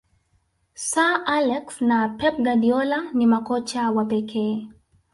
sir alex na pep guardiola ni makocha wa pekee